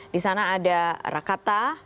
di sana ada rakata